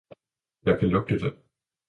jeg kan lugte den!